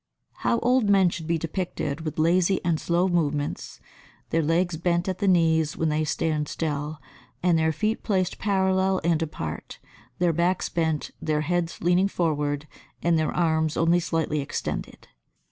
How old men should be depicted with lazy and slow movements, their legs bent at the knees when they stand still, and their feet placed parallel and apart, their backs bent, their heads leaning forward and their arms only slightly extended.